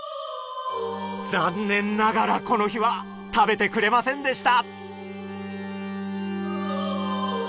残念ながらこの日は食べてくれませんでした。